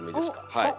はい。